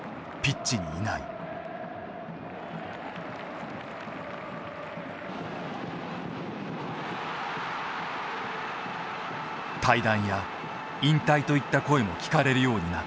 退団や引退といった声も聞かれるようになった。